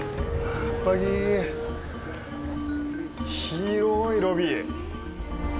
広い、ロビー。